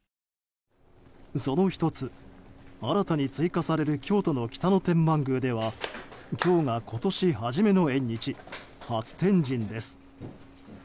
その１つ、新たに追加される京都の北野天満宮では今日が今年初めの縁日初天神です。